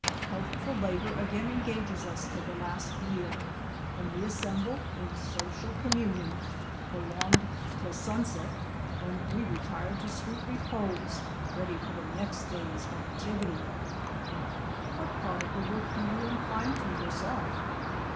Health ful labor again engages us till the last meal, when we assemble in social communion, prolonged till sunset, when we retire to sweet repose, ready for the next day's activity." Digitized by VjOOQ IC TRANSCENDENTAL WILD OATS 155 "What part of the work do you incline to your self?"